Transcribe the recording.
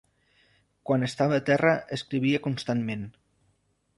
Quan estava a terra escrivia constantment.